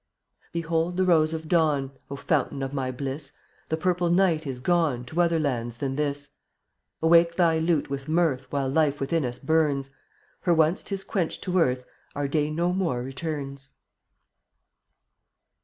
Behold the rose of dawn, O Fountain of my bliss! The purple night is gone To other lands than this. Awake thy lute with mirth While life within us burns, For once 'tis quenched to earth Our day no more returns.